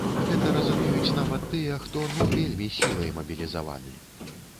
Гэта разумеюць нават тыя, хто ну вельмі сілай мабілізаваны.